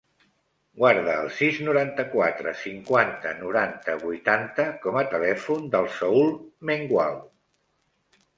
Guarda el sis, noranta-quatre, cinquanta, noranta, vuitanta com a telèfon del Saül Mengual.